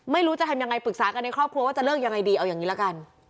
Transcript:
ไม่รู้จะทำยังไงปรึกษากันในครอบครัวว่าจะเลิกยังไงดีเอาอย่างนี้ละกัน